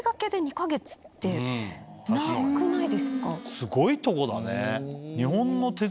すごいとこだね。